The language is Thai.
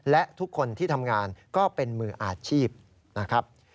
และทุกคนที่ทำงานก็เป็นมืออาชีพนะครับ